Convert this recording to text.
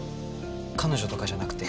彼女とかじゃなくて。